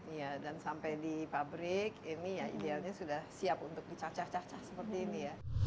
iya dan sampai di pabrik ini ya idealnya sudah siap untuk dicacah cacah seperti ini ya